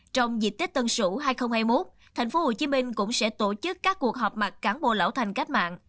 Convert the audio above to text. trong dịp tết tân sỉu hai nghìn hai mươi một tp hcm cũng sẽ tổ chức các cuộc họp mặt cán bộ lão thành cách mạng